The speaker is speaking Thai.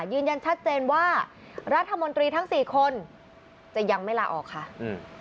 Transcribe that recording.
ยืนยันชัดเจนว่ารัฐมนตรีทั้งสี่คนจะยังไม่ลาออกค่ะอืม